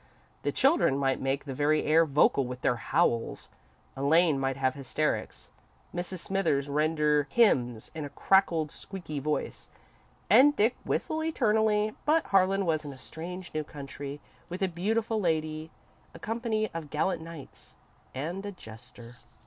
The children might make the very air vocal with their howls, Elaine might have hysterics, Mrs. Smithers render hymns in a cracked, squeaky voice, and Dick whistle eternally, but Harlan was in a strange new country, with a beautiful lady, a company of gallant knights, and a jester.